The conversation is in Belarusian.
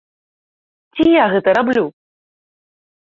Ці я гэта раблю?